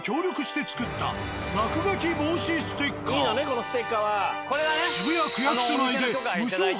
このステッカーは。